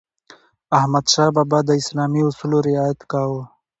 احمدشاه بابا د اسلامي اصولو رعایت کاوه.